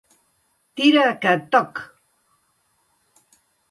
Tira que et toc!